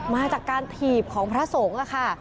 มาจากการถีบของพระสงฆ์ค่ะ